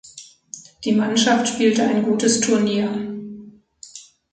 Die Mannschaft spielte ein gutes Turnier.